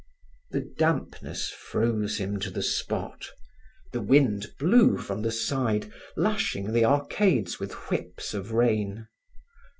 The dampness froze him to the spot; the wind blew from the side, lashing the arcades with whips of rain.